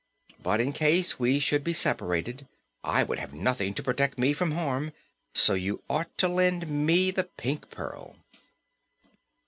But in case we should be separated I would have nothing to protect me from harm, so you ought to lend me the Pink Pearl."